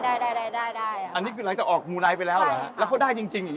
อันนี้คือหลังจากออกมูไนท์ไปแล้วแล้วแล้วเขาได้จริงอย่างนี้หรอ